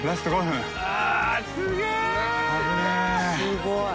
すごい。